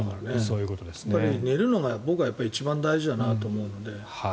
やっぱり寝るのが僕は一番大事だなと思うので。